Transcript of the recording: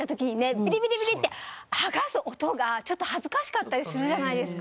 ビリビリビリって剥がす音がちょっと恥ずかしかったりするじゃないですか。